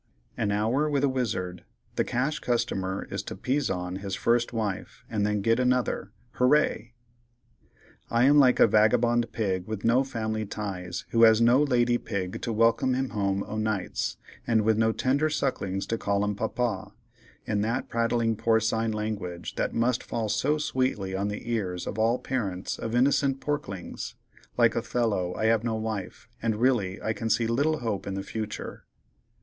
An Hour with a Wizard.—The Cash Customer is to "Pizon" his First Wife, and then get Another. Hooray! "I am like a vagabond pig with no family ties, who has no lady pig to welcome him home o'nights, and with no tender sucklings to call him 'papa,' in that prattling porcine language that must fall so sweetly on the ears of all parents of innocent porklings. Like Othello, I have no wife, and really I can see little hope in the future."